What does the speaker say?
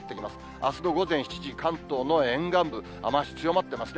あすの午前７時、関東の沿岸部、雨足強まってますね。